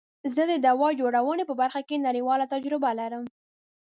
زه د دوا جوړونی په برخه کی نړیواله تجربه لرم.